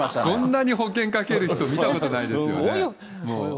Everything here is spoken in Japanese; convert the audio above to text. こんなに保険かける人、見たことないですよね。